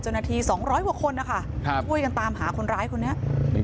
เจ้าหน้าที่สองร้อยหัวคนนะค่ะครับช่วยกันตามหาคนร้ายคนเนี้ย